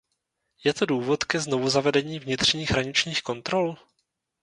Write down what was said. Je to důvod ke znovuzavedení vnitřních hraničních kontrol?